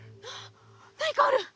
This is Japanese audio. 何かある。